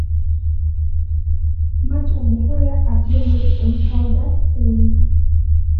Much of the area has been re-empoldered since.